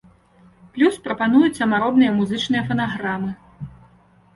Плюс прапануюць самаробныя музычныя фанаграмы.